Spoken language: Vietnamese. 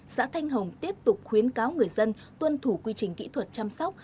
xã thanh hồng tiếp tục khuyến cáo người dân tuân thủ quy trình kỹ thuật chăm sóc